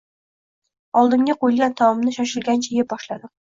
oldimga qo‘yilgan taomni shoshilgancha yeb boshladim.